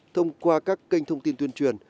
thông qua các kênh thông tin tuyên truyền